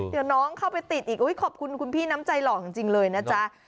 เดี๋ยวน้องเข้าไปติดอีกขอบคุณคุณพี่น้ำใจหล่อจริงเลยนะจ๊ะ